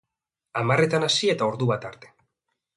Hamarretan hasi eta ordu bata arte.